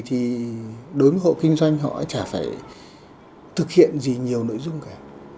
thì đối với hộ kinh doanh họ chả phải thực hiện gì nhiều nội dung cả